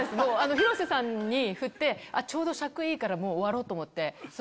廣瀬さんにふってちょうど尺いいから終わろうと思って。